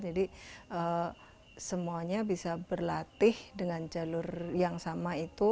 jadi semuanya bisa berlatih dengan jalur yang sama itu